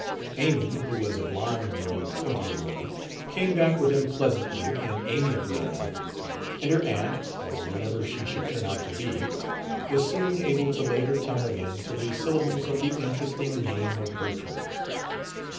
Amy who was a blonde girl of twenty or more came back with him pleasantly and amiably enough; and her aunt or whatever she should turn out to be was soon able to lay her tongue again to the syllables of the interesting name of Bertram.